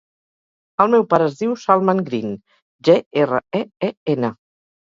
El meu pare es diu Salman Green: ge, erra, e, e, ena.